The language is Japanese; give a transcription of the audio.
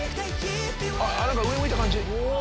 あっ上向いた感じ。